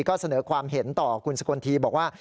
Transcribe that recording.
ก็เสนอความเห็นต่อคุณสกลทีบอกว่า